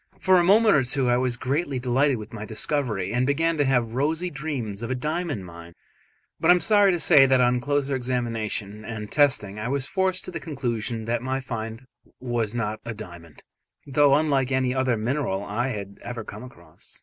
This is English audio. For a moment or two I was greatly delighted with my discovery, and began to have rosy dreams of a diamond mine; but I am sorry to say that on closer examination and testing I was forced to the conclusion that my find was not a diamond, though unlike any other mineral I had ever come across.